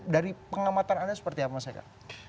dari pengamatan anda seperti apa mas eka